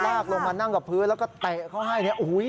ลากลงมานั่งกับพืชแล้วเข้าก็ได้เข้าไห้เนี่ยโอ้โห